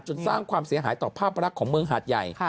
สร้างความเสียหายต่อภาพรักของเมืองหาดใหญ่